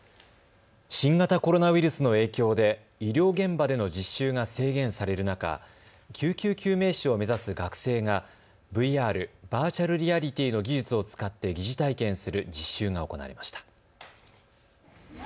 新型コロナウイルスの影響で医療現場での実習が制限される中、救急救命士を目指す学生がＶＲ・バーチャルリアリティーの技術を使って疑似体験する実習が行われました。